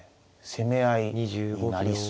攻め合いになりそう。